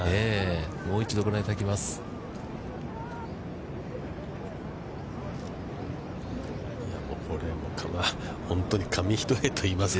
もう一度ご覧いただきます。